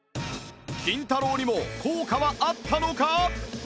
キンタロー。にも効果はあったのか？